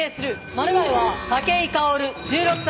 マルガイは武井薫１６歳。